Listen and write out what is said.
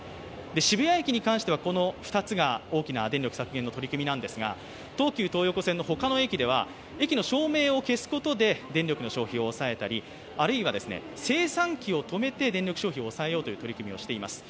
渋谷駅に関しては、この２つが大きな電力削減の取り組みなんですが、東急東横線の他の駅では駅の照明を消すことで電力の消費を抑えたり、あるいは精算機を止めて電力消費を抑えようとしています。